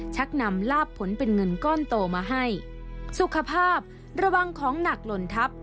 ชักนำลาบผลเป็นเงินก้อนโตมาให้สุขภาพระวังของหนักหล่นทัพ